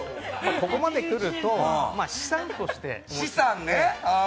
ここまで来ると資産として。